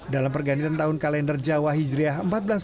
dalam pergantian tahun kalender jawa hijriah seribu empat ratus dua puluh